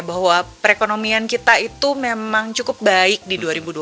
bahwa perekonomian kita itu memang cukup baik di dua ribu dua puluh